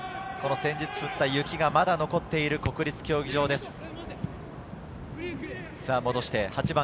先日降った雪がまだ残っている国立競技場です。